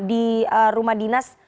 di rumah dinas